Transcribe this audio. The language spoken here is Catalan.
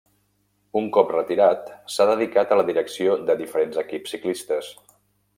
Un cop retirat, s'ha dedicat a la direcció de diferents equips ciclistes.